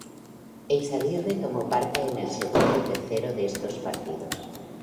Eizaguirre tomó parte en el segundo y tercero de estos partidos.